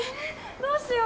どうしよう